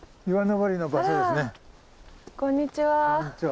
こんにちは。